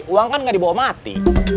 uang kan nggak dibawa mati